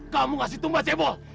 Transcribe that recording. kamu kasih tumbal cewek